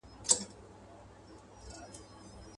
یوه شېبه چي دي نقاب سي د خمارو سترګو.